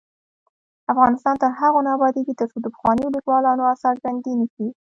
افغانستان تر هغو نه ابادیږي، ترڅو د پخوانیو لیکوالانو اثار ژوندي نشي.